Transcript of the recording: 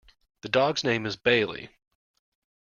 The dog's name is Bailey.